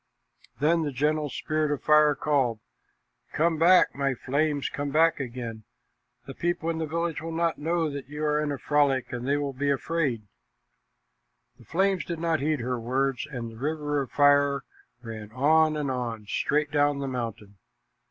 Then the gentle Spirit of Fire called, "Come back, my flames, come back again! The people in the village will not know that you are in a frolic, and they will be afraid." The flames did not heed her words, and the river of fire ran on and on, straight down the mountain.